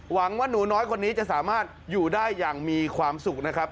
หวังว่าหนูน้อยคนนี้จะสามารถอยู่ได้อย่างมีความสุขนะครับ